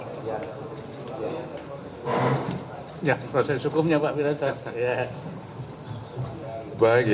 ya proses hukumnya pak pirata